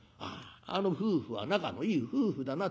『あああの夫婦は仲のいい夫婦だな』